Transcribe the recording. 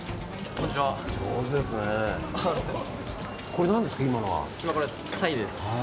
上手ですね。